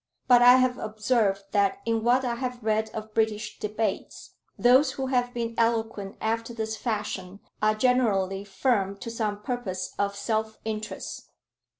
But I have observed that in what I have read of British debates, those who have been eloquent after this fashion are generally firm to some purpose of self interest.